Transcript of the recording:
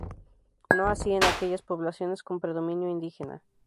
No así en aquellas poblaciones con predominio indígena.